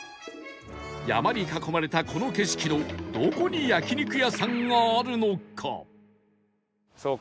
山に囲まれたこの景色のどこに焼肉屋さんがあるのか？